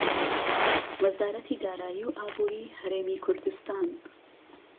وەزارەتی دارایی و ئابووری هەرێمی کوردستان